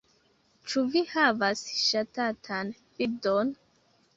Ĉu vi havas ŝatatan bildon?